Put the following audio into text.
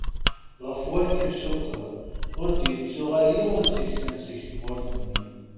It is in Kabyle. Ɣef wakk-n cukkeɣ, ur d-yettuɣal yiwen seg-sen seg tmurt-nni.